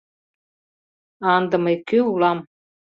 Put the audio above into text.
А ынде мый кӧ улам?